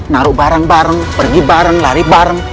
naruh bareng bareng pergi bareng lari bareng